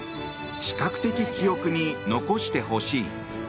視覚的記憶に残してほしい。